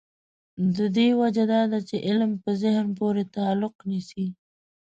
د دې وجه دا ده چې علم په ذهن پورې تعلق نیسي.